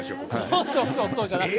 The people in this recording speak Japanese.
そうそうそうそうじゃなくて。